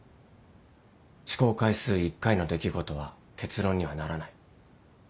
「試行回数一回の出来事は結論にはならない」。